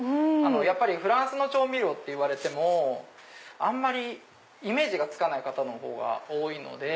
フランスの調味料っていわれてもあんまりイメージがつかない方のほうが多いので。